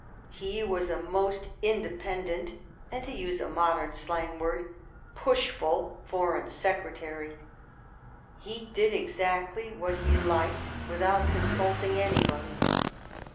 He was a most inde pendent and, to use a modern slang word, '* push ful " Foreign Secretary. He did exactly what he liked, without consulting anybody.